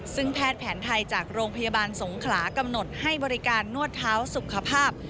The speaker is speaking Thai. ซึ่งแพทย์แผนไทยจากโรงพยาบาลสงขลากำหนดให้บริการนวดเท้าสุขภาพ